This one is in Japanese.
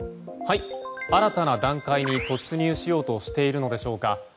新たな段階に突入しようとしているのでしょうか。